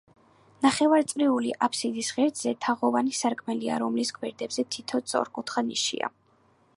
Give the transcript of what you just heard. ნახევარწრიული აფსიდის ღერძზე თაღოვანი სარკმელია, რომლის გვერდებზე თითო სწორკუთხა ნიშია.